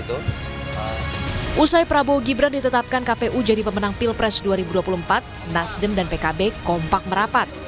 usai prabowo gibran ditetapkan kpu jadi pemenang pilpres dua ribu dua puluh empat nasdem dan pkb kompak merapat